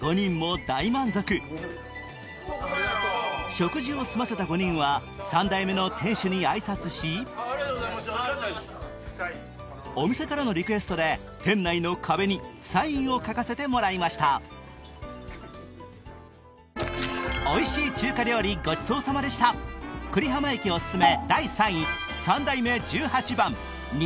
食事を済ませた５人はお店からのリクエストで店内の壁にサインを書かせてもらいましたおいしい中華料理ごちそうさまでしたちょっとよろしいですか？